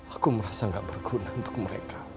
aku merasa gak berguna untuk mereka